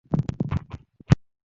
একটা কথা বল।